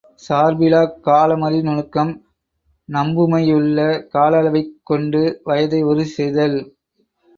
சார்பிலாக் காலமறி நுணுக்கம் நம்புமையுள்ள கால அளவைக் கொண்டு வயதை உறுதி செய்தல்.